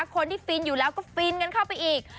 ฟินอยู่แล้วก็ฟินกันเข้าไปอีก